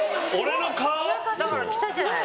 だから来たじゃない。